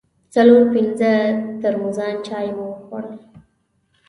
څلور پنځه ترموزان چای مو وخوړل.